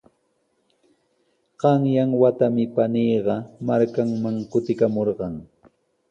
Qanyan watami paniiqa markanman kutikamurqan.